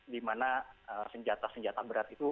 dimana senjata senjata berat itu